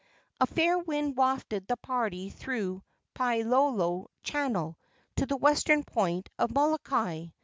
A fair wind wafted the party through Pailolo channel to the western point of Molokai.